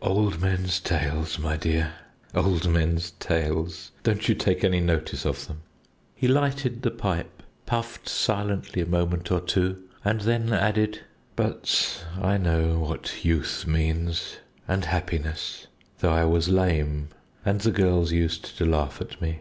Old man's tales, my dear! Old man's tales! Don't you take any notice of them." He lighted the pipe, puffed silently a moment or two, and then added: "But I know what youth means, and happiness, though I was lame, and the girls used to laugh at me."